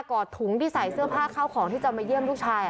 อดถุงที่ใส่เสื้อผ้าเข้าของที่จะมาเยี่ยมลูกชาย